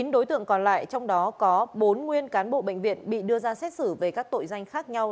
chín đối tượng còn lại trong đó có bốn nguyên cán bộ bệnh viện bị đưa ra xét xử về các tội danh khác nhau